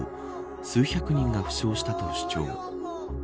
数百人が負傷したと主張。